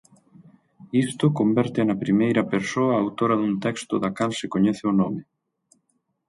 Isto convértea na primeira persoa autora dun texto da cal se coñece o nome.